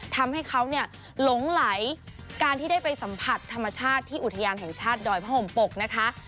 ทำให้เขาเนี่ยหลงไหลการที่ได้ไปสัมผัสธรรมชาติที่อุทยานแห่งชาติดอยพระห่มปกนะคะ